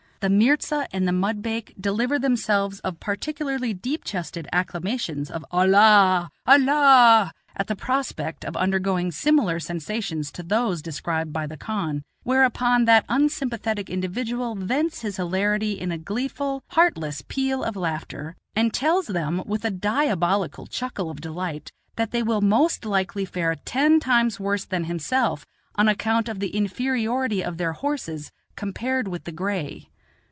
The mirza and the mudbake deliver themselves of particularly deep chested acclamations of "Allah, Allah!" at the prospect of undergoing similar sensations to those described by the khan, whereupon that unsympathetic individual vents his hilarity in a gleeful, heartless peal of laughter, and tells them, with a diabolical chuckle of delight, that they will most likely fare ten times worse than himself on account of the inferiority of their horses compared with the gray.